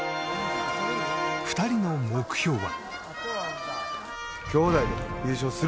２人の目標は。